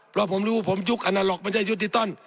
เพราะผมรู้ผมยุบอันโลกมันไม่ใช่ยุติต้น